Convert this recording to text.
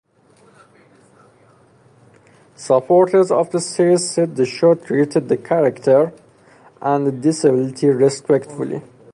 Supporters of the series said the show treated the character and the disability respectfully.